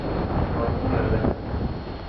Ng loo nung lalan.